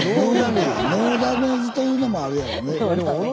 ノーダメージというのもあるやろね。